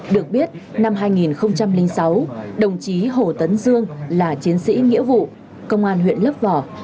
được biết năm hai nghìn sáu đồng chí hồ tấn dương là chiến sĩ nghĩa vụ công an huyện lấp vò